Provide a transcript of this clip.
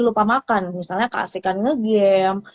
lupa makan misalnya keasikan nge game